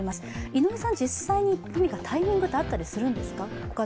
井上さん、実際に何かタイミングはあったりするんですか？